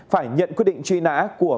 phải nhận quyết định truy nã của